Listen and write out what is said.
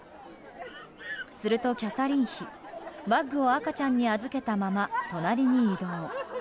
するとキャサリン妃バッグを赤ちゃんに預けたまま隣に移動。